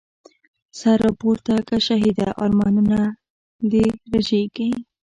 سر را پورته که شهیده، ارمانونه د رږیږی